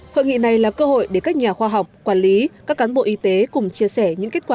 hội nghị này là cơ hội để các nhà khoa học quản lý các cán bộ y tế cùng chia sẻ những kết quả